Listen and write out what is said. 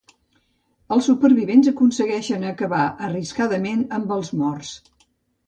Els supervivents aconsegueixen acabar arriscadament amb els morts.